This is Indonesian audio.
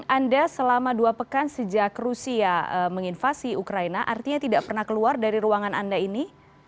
anda selama dua pekan sejak rusia menginvasi ukraina artinya tidak pernah keluar dari ruangan anda ini